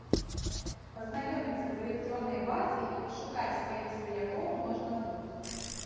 Пазнаёміцца з электроннай базай і пашукаць сваіх сваякоў можна тут.